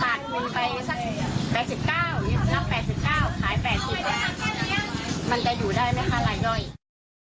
นะ๘๙ขาย๘๘บาท